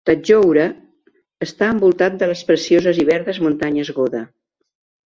Tadjoura està envoltat de les precioses i verdes muntanyes Goda.